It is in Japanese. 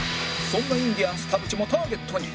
そんなインディアンス田渕もターゲットに